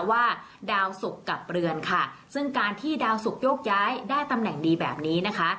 ว่าดาวสุกกับเรือนค่ะซึ่งการที่ดาวสุกโยกย้ายได้ตำแหน่งดีแบบนี้นะคะ